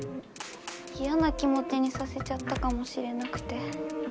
いやな気もちにさせちゃったかもしれなくて。